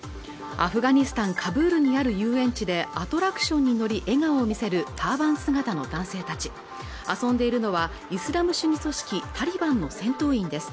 アフガニスタンカブールにある遊園地でアトラクションに乗り笑顔を見せるターバン姿の男性たち遊んでいるのはイスラム主義組織タリバンの戦闘員です